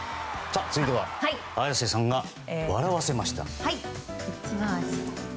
続いては綾瀬さんが笑わせました。